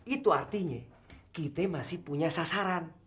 itu artinya kita masih punya sasaran